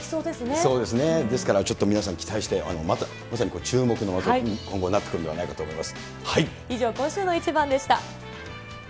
そうですね、ですから皆さん、期待して、まさに注目の的に今後なってくるんではないかと思います。